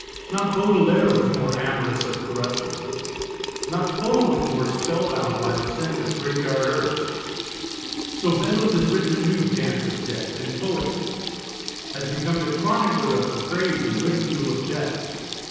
Not Baudelaire was more amorous of corruption; not Poe was more spellbound by the scent of graveyard earth. So Beddoes has written a new Dance of Death, in poetry; has become the chronicler of the praise and ridicule of Death.